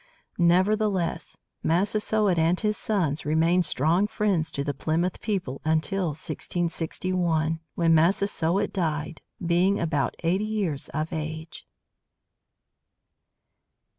Nevertheless, Massasoit and his sons remained strong friends to the Plymouth people until 1661, when Massasoit died, being about eighty years of age.